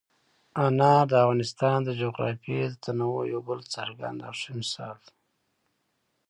انار د افغانستان د جغرافیوي تنوع یو څرګند او ښه مثال دی.